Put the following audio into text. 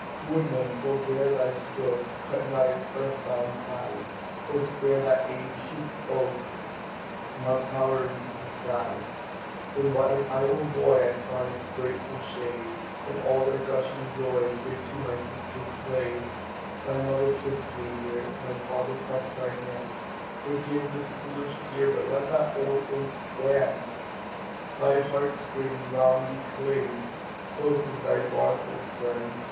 Woodman, forebear thy stroke! Cut not its earth bound ties; Oh, spare that aged oak, Now towering to the skies! When but an idle boy, I sought its grateful shade; In all their gushing joy Here, too, my sisters played. My mother kissed me here; My father pressed my hand Forgive this foolish tear, But let that old oak stand. My heart strings round thee cling, Close as thy bark, old friend!